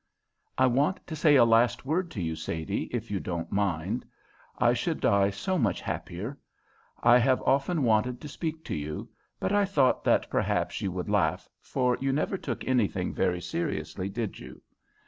"I want to say a last word to you, Sadie, if you don't mind. I should die so much happier. I have often wanted to speak to you, but I thought that perhaps you would laugh, for you never took anything very seriously, did you?